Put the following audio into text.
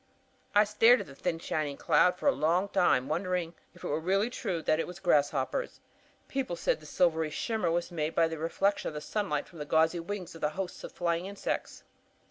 "I stared at the thin shining cloud for a long time, wondering if it were really true that it was grasshoppers. People said the silvery shimmer was made by the reflection of the sunlight from the gauzy wings of the hosts of flying insects.